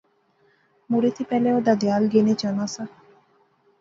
مڑے تھی پہلے او دادھیال گینے چاہنا سا